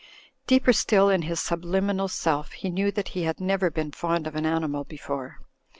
Deeper still in his subliminal self he knew that he had never been fond of an animal before.